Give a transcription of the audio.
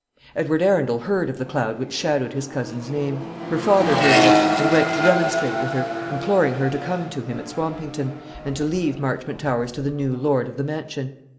Edward Arundel heard of the cloud which shadowed his cousin's name. Her father heard of it, and went to remonstrate with her, imploring her to come to him at Swampington, and to leave Marchmont Towers to the new lord of the mansion.